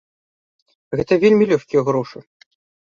Гэта вельмі лёгкія грошы.